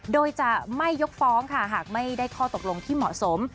โดยจะไม่ยกฟ้องค่ะหากไม่ได้ข้อตกลงที่เหมาะสม